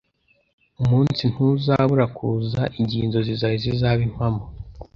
Umunsi ntuzabura kuza igihe inzozi zawe zizaba impamo.